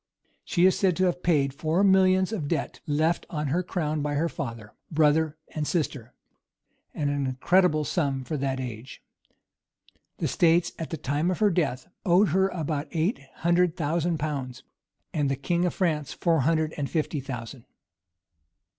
She is said to have paid four millions of debt, left on the crown by her father, brother, and sister; an incredible sum for that age.[] The states at the time of her death owed her about eight hundred thousand pounds; and, the king of France four hundred and fifty thousand.